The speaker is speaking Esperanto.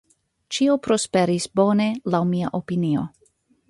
Ĉio prosperis bone laŭ mia opinio.